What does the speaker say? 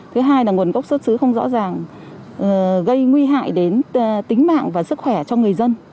thứ hai là nguồn gốc xuất xứ không rõ ràng gây nguy hại đến tính mạng và sức khỏe cho người dân